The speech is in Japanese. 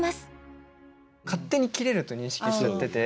勝手に切れると認識しちゃってて。